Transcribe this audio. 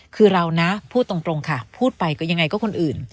คือเรานะพูดตรงค่ะพูดไปก็ยังไงก็คนอื่น